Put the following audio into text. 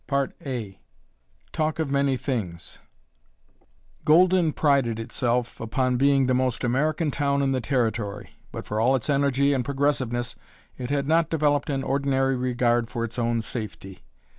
CHAPTER VII TALK OF MANY THINGS Golden prided itself upon being "the most American town in the Territory," but for all its energy and progressiveness it had not developed an ordinary regard for its own safety.